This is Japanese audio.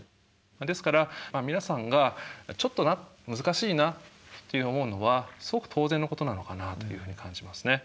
ですから皆さんがちょっとな難しいなって思うのはすごく当然のことなのかなというふうに感じますね。